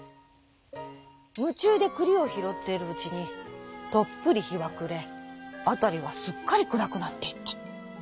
むちゅうでくりをひろっているうちにとっぷりひはくれあたりはすっかりくらくなっていった。